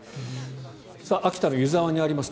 秋田の湯沢にあります